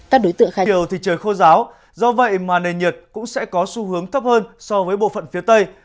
các đối tượng khai điều thì trời khô giáo do vậy mà nền nhiệt cũng sẽ có xu hướng thấp hơn so với bộ phận phía tây